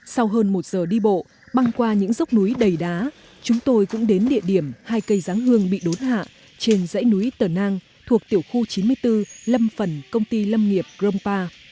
sau hơn một giờ đi bộ băng qua những dốc núi đầy đá chúng tôi cũng đến địa điểm hai cây giáng hương bị đốn hạ trên dãy núi tờ nang thuộc tiểu khu chín mươi bốn lâm phần công ty lâm nghiệp grompa